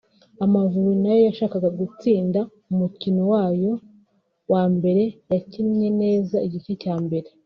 Amavubi nayo yashakaga gutsinda umukino wayo wa mbere yakinnye neza igice cya mbere